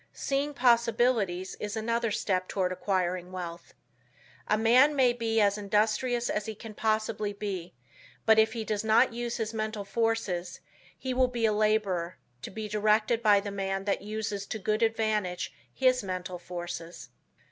Seeing possibilities is another step toward acquiring wealth. A man may be as industrious as he can possibly be, but if he does not use his mental forces he will be a laborer, to be directed by the man that uses to good advantage his mental forces.